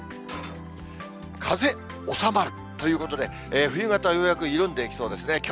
風収まるということで、冬型、ようやく緩んでいきそうですね。